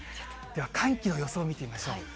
寒気の予想を見てみましょう。